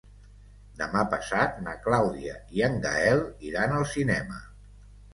Demà passat na Clàudia i en Gaël iran al cinema.